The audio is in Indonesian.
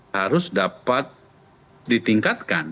harus dapat ditingkatkan